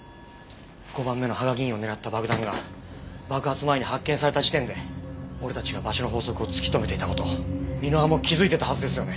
５番目の芳賀議員を狙った爆弾が爆発前に発見された時点で俺たちが場所の法則を突き止めていた事を箕輪も気づいてたはずですよね？